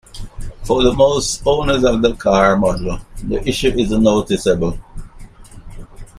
For most owners of the car model, the issue isn't noticeable.